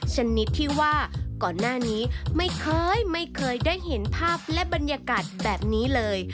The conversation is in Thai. ชนิดที่ว่าก่อนหน้านี้ไม่เคยไม่เคยได้เห็นภาพและบรรยากาศแบบนี้เลย